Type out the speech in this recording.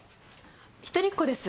一人っ子です。